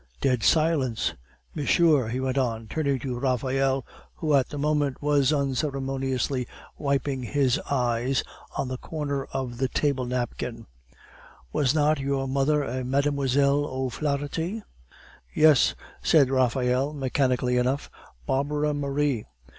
(Dead silence.) "Monsieur," he went on, turning to Raphael, who at the moment was unceremoniously wiping his eyes on a corner of the table napkin, "was not your mother a Mlle. O'Flaharty?" "Yes," said Raphael mechanically enough; "Barbara Marie."